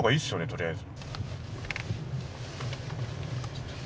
とりあえず。